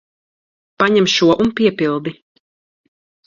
Paņem šo un piepildi.